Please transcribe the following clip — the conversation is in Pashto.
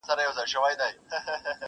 په کړکۍ کي ورته پټ وو کښېنستلی.!